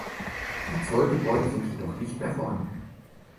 Die Zollgebäude sind jedoch nicht mehr vorhanden.